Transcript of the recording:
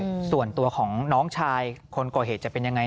ส่วนตัวของน้องชายคนก่อเหตุจะเป็นยังไง